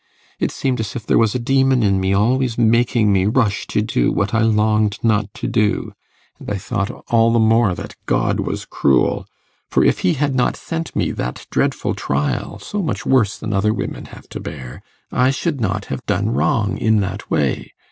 It seemed as if there was a demon in me always making me rush to do what I longed not to do. And I thought all the more that God was cruel; for if He had not sent me that dreadful trial, so much worse than other women have to bear, I should not have done wrong in that way.